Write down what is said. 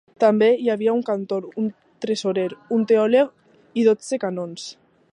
També hi havia un cantor, un tresorer, un teòleg i dotze cànons.